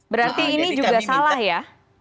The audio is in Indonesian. berarti ini juga salah ya